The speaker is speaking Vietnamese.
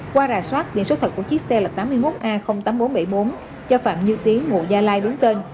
qua rà soát biển số thật của chiếc xe là tám mươi một a tám nghìn bốn trăm bảy mươi bốn do phạm như tiếng mùa gia lai đúng tên